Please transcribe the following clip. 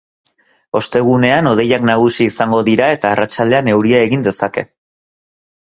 Ostegunean hodeiak nagusi izango dira eta arratsaldean euria egin dezake.